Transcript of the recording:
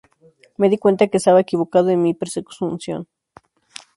me di cuenta que estaba equivocado en mi presunción